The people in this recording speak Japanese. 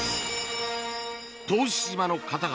答志島の方々